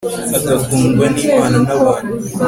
agakundwa n'imana n'abantu